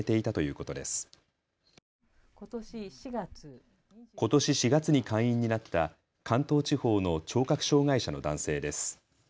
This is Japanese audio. ことし４月に会員になった関東地方の聴覚障害者の男性です。